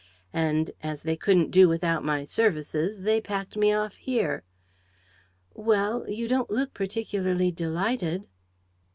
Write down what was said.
And, as they couldn't do without my services, they packed me off here. ... Well? You don't look particularly delighted